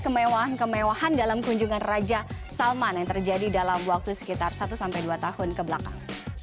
kemewahan kemewahan dalam kunjungan raja salman yang terjadi dalam waktu sekitar satu sampai dua tahun kebelakang